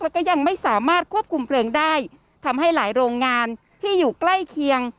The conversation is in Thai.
แล้วก็ยังไม่สามารถควบคุมเพลิงได้ทำให้หลายโรงงานที่อยู่ใกล้เคียง